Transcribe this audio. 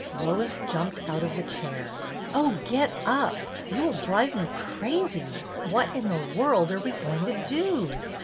'" Lois jumped out of the chair. "Oh, get up. You will drive me crazy. What in the world are we going to do